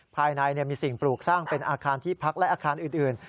ภายในมีสิ่งปลูกสร้างเป็นอาคารที่พักและอาคารอื่น